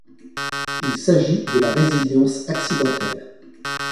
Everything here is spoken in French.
Il s’agit de la résilience accidentelle.